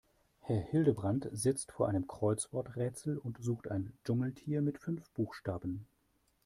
Herr Hildebrand sitzt vor einem Kreuzworträtsel und sucht ein Dschungeltier mit fünf Buchstaben.